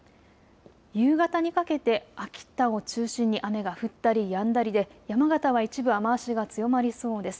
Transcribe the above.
夕方にかけて秋田を中心に雨が降ったりやんだりで山形は一部、雨足が強まりそうです。